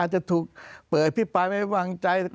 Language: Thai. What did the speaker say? อาจจะถูกเปิดปริภายมิหวังใจ